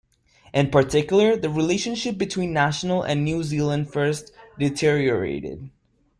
In particular, the relationship between National and New Zealand First deteriorated.